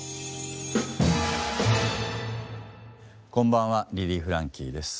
こんばんはリリー・フランキーです。